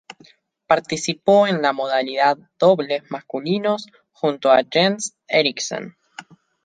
Participó en la modalidad de Dobles masculinos junto a Jens Eriksen.